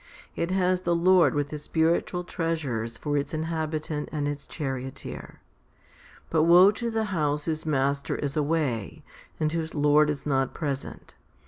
It has the Lord with His spiritual treasures for its inhabitant and its charioteer. But woe to the house whose master is away, and whose lord is not present.